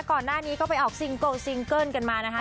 ก่อนหน้านี้ก็ไปออกซิงโกงซิงเกิ้ลกันมานะคะ